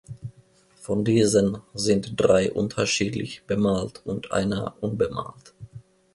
Von diesen sind drei unterschiedlich bemalt und einer unbemalt.